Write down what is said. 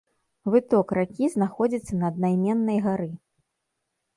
Выток ракі знаходзіцца на аднайменнай гары.